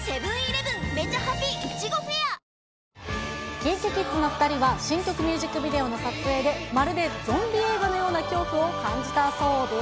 ＫｉｎＫｉＫｉｄｓの２人が新曲ミュージックビデオの撮影で、まるでゾンビ映画のような恐怖を感じたそうです。